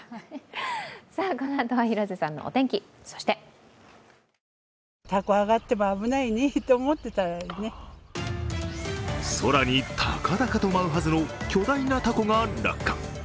このあとは広瀬さんのお天気、そして空に高々と舞うはずの巨大なたこが落下。